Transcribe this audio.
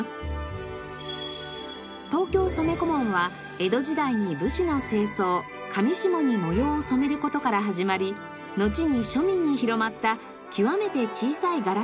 東京染小紋は江戸時代に武士の正装裃に模様を染める事から始まりのちに庶民に広まった極めて小さい柄の染め物です。